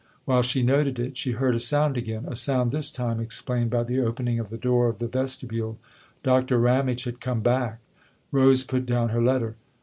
While she noted it she heard a sound again, a sound this time explained by the opening of the door of the vestibule. Doctor Ramage had come back; Rose put down her letter.